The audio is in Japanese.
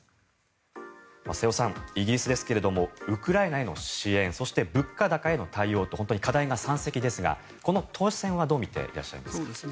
瀬尾さん、イギリスですけどもウクライナへの支援そして、物価高への対応と課題が山積ですがこの党首選はどう見ていらっしゃいますか。